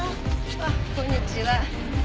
あっこんにちは。